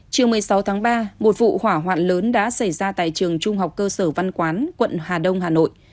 chiều một mươi sáu tháng ba một vụ hỏa hoạn lớn đã xảy ra tại trường trung học cơ sở văn quán quận hà đông hà nội